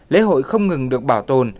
lễ hội không ngừng được bảo tồn